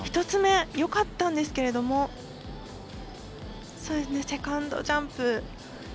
１つ目よかったんですけれどもセカンドジャンプ。